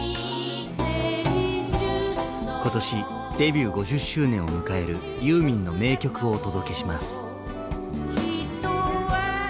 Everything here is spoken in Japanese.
今年デビュー５０周年を迎える「ユーミン」の名曲をお届けします。